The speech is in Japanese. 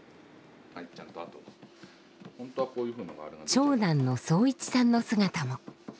長男の惣一さんの姿も。